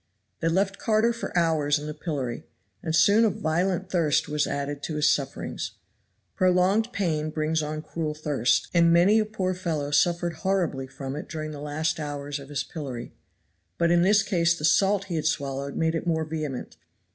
They left Carter for hours in the pillory, and soon a violent thirst was added to his sufferings. Prolonged pain brings on cruel thirst, and many a poor fellow suffered horribly from it during the last hours of his pillory. But in this case the salt he had swallowed made it more vehement.